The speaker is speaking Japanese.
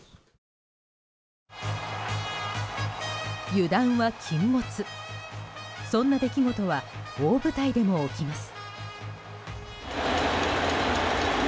油断は禁物、そんな出来事は大舞台でも起きます。